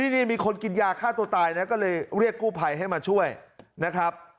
นี่มีคนกินยาฆ่าตัวตายนะก็เลยเรียกกู้ภัยให้มาช่วยนะครับ